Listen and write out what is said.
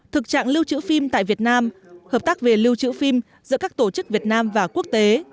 thực trạng lưu trữ phim tại việt nam hợp tác về lưu trữ phim giữa các tổ chức việt nam và quốc tế